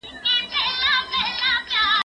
زه پرون اوبه ورکړې